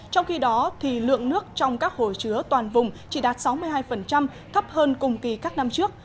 trong khi đó lượng nước trong các hồ chứa toàn vùng chỉ đạt sáu mươi hai thấp hơn cùng kỳ các năm trước